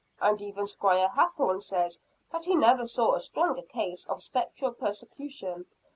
"And even Squire Hathorne says that he never saw a stronger case of spectral persecution.